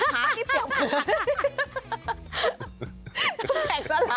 ขาอีกเปียกหมด